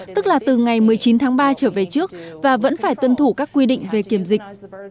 tức là từ ngày một mươi chín tháng ba trở về trước và vẫn phải tuân thủ các quy định về kiểm dịch